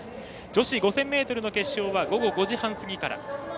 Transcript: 女子５０００ｍの決勝は午後５時半過ぎから。